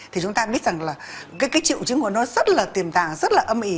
thì chúng ta biết rằng là cái triệu chứng của nó rất là tiềm tàng rất là âm ỉ